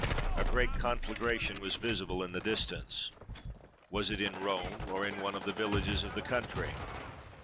A great conflagration was visible in the distance. Was it in Rome; or in one of the villages of the country?